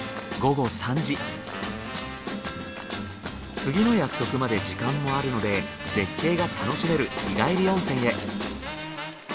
次の約束まで時間もあるので絶景が楽しめる日帰り温泉へ。